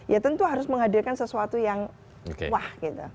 ya tentu harus menghadirkan sesuatu yang wah gitu